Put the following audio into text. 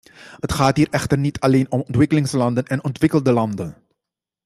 Het gaat hier echter niet alleen om ontwikkelingslanden en ontwikkelde landen.